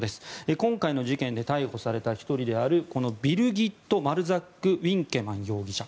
今回の事件で逮捕された１人であるビルギット・マルザック・ウィンケマン容疑者。